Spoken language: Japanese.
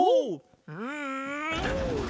うん！